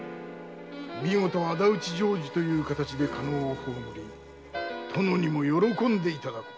見事仇討ち成就という形で加納を葬り殿にも喜んでいただこう。